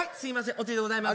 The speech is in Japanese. お釣りでございます。